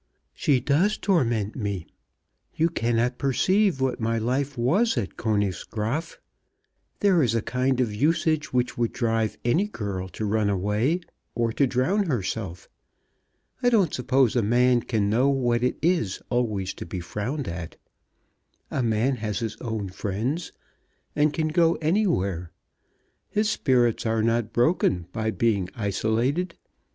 "She does torment me. You cannot perceive what my life was at Königsgraaf! There is a kind of usage which would drive any girl to run away, or to drown herself. I don't suppose a man can know what it is always to be frowned at. A man has his own friends, and can go anywhere. His spirits are not broken by being isolated.